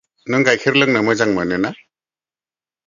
नों गायखेर लोंनो मोजां मोनो ना?